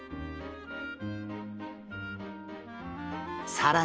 さらに。